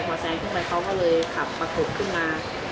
พอแซงขึ้นไปเขาก็เลยขับประกบขึ้นมา